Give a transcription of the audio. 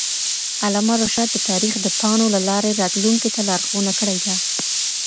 علامه رشاد د تاریخ د پاڼو له لارې راتلونکي ته لارښوونه کړې ده.